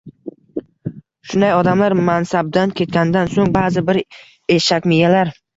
Shunday odamlar mansabdan ketganidan so‘ng ba’zi bir eshakmiyalar